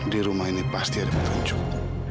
di rumah ini pasti ada petunjuk